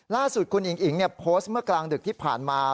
ล่าสุดคุณอิ๋งอิ๋งโพสต์เมื่อกลางดึกที่ผ่านมา